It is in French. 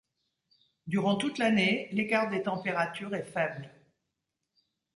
Durant toute l'année, l'écart des températures est faible.